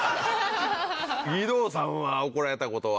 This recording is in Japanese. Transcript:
義堂さんは怒られたことは？